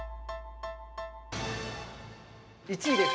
１位です！